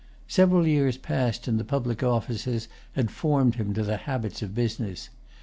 Several years passed in the public offices had formed him to habits of business.